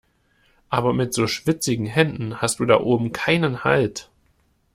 Aber mit so schwitzigen Händen hast du da oben keinen Halt.